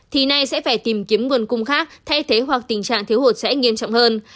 thì nay sẽ phải tìm kiếm nguồn cung khác thay thế hoặc tình trạng thiếu hụt sẽ nghiêm trọng hơn